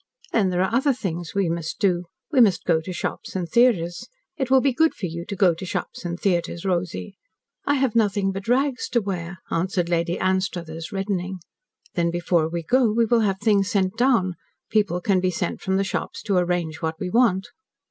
"Then there are other things we must do. We must go to shops and theatres. It will be good for you to go to shops and theatres, Rosy." "I have nothing but rags to wear," answered Lady Anstruthers, reddening. "Then before we go we will have things sent down. People can be sent from the shops to arrange what we want."